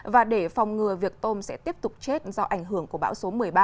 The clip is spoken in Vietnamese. và để phòng ngừa việc tôm sẽ tiếp tục chết do ảnh hưởng của bão số một mươi ba